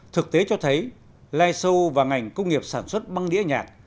thực tế cho thấy lai show và ngành công nghiệp sản xuất băng đĩa nhạc